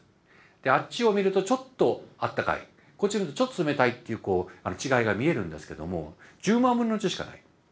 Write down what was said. あっちを見るとちょっとあったかいこっちを見るとちょっと冷たいという違いが見えるんですけども１０万分の１しかない。